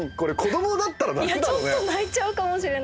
いやちょっと泣いちゃうかもしれないですね。